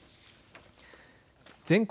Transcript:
全国